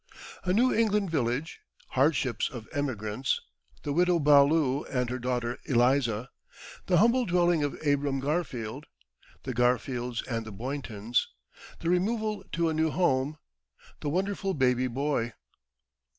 A New England Village Hardships of Emigrants The Widow Ballou and her Daughter Eliza The Humble Dwelling of Abram Garfield The Garfields and the Boyntons The Removal to a New Home The Wonderful Baby Boy.